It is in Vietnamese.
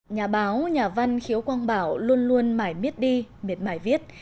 nhà báo nhà văn khiếu quang bảo luôn luôn mãi miết đi miệt mải viết